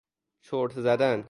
چرت زدن